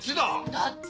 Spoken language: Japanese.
だって。